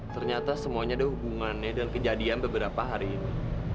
ternyata semuanya ada hubungannya dengan kejadian beberapa hari ini